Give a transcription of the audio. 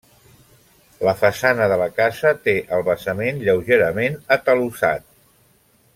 La façana de la casa té el basament lleugerament atalussat.